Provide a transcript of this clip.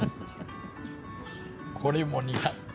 「これも苦手」。